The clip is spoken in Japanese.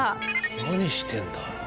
何してんだ？